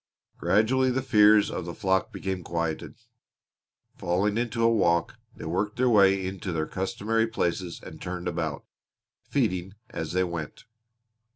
Gradually the fears of the flock became quieted. Falling into a walk they worked their way into their customary places and turned about, feeding as they went.